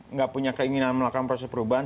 nggak punya keinginan melakukan proses perubahan